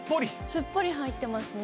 すっぽり入ってますね。